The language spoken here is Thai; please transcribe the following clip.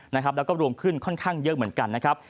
แล้วก็รวมขึ้นค่อนข้างเยอะเหมือนกันนะครับ